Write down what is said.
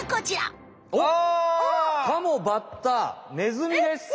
カモバッタネズミでした！